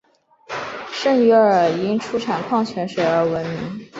圣约尔因出产矿泉水而闻名。